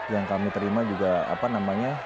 yang kami terima juga